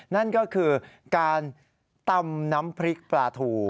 นั่นก็คือการตำน้ำพริกปลาถู